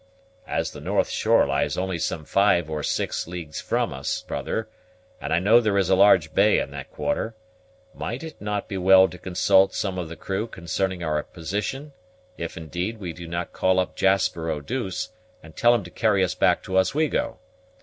"As the north shore lies only some five or six leagues from us, brother, and I know there is a large bay in that quarter, might it not be well to consult some of the crew concerning our position, if, indeed, we do not call up Jasper Eau douce, and tell him to carry us back to Oswego?